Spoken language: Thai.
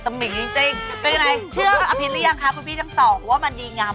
ตามแอฟผู้ชมห้องน้ำด้านนอกกันเลยดีกว่าครับ